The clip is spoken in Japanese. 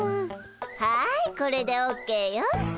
はいこれでオーケーよ。